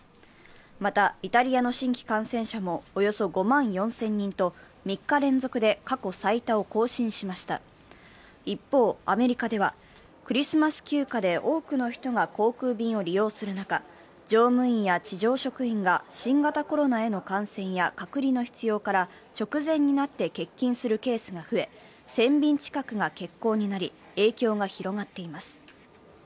また、イタリアの新規感染者もおよそ５万４０００人と３日連続で過去最多を更新しました一方、アメリカではクリスマス休暇で多くの人が航空便を利用する中、乗務員や地上職員が新型コロナの感染や隔離の必要から、直前になって欠勤するケースが増え、１０００便近くが欠航になり影響が広がっています。